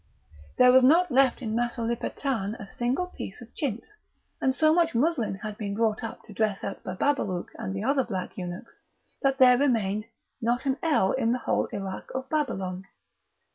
There was not left in Masulipatam a single piece of chintz, and so much muslin had been bought up to dress out Bababalouk and the other black eunuchs, that there remained not an ell in the whole Irak of Babylon.